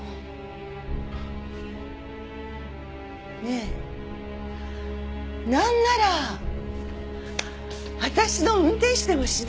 ねえなんなら私の運転手でもしない？